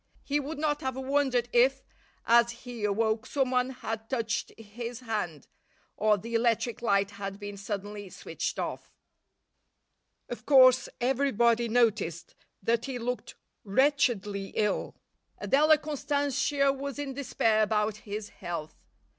He would not have wondered if, as he awoke, someone had touched his hand, or the electric light had been suddenly switched off. Of course everybody noticed that he looked wretchedly ill. Adela Constantia was in despair about his health.